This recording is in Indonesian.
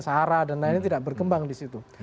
sahara dan lainnya tidak berkembang di situ